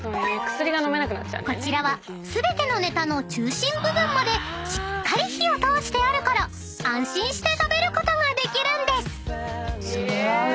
［こちらは全てのネタの中心部分までしっかり火を通してあるから安心して食べることができるんです］